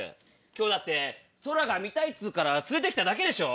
今日だって空が見たいっつうから連れて来ただけでしょ。